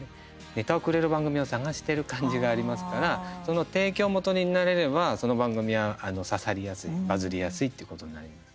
ネタをくれる番組を探している感じがありますからその提供元になれればその番組は刺さりやすいバズりやすいっていうことになります。